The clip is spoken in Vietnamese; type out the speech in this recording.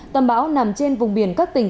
tâm bão nằm trên vùng biển các tỉnh